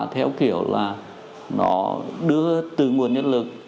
theo kiểu là nó đưa từ nguồn nhân lực